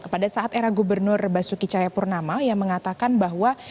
pada saat era gubernur basuki cahayapurnama yang mengatakan bahwa